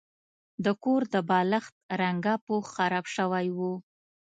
د کور د بالښت رنګه پوښ خراب شوی و.